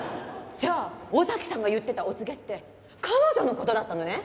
じゃあ尾崎さんが言ってたお告げって彼女の事だったのね？